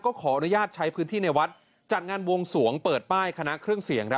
ขออนุญาตใช้พื้นที่ในวัดจัดงานวงสวงเปิดป้ายคณะเครื่องเสียง